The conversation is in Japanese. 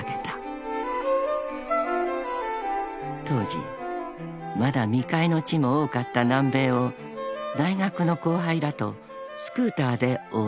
［当時まだ未開の地も多かった南米を大学の後輩らとスクーターで横断］